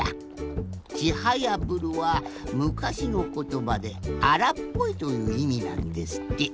「ちはやぶる」はむかしのことばで「あらっぽい」といういみなんですって。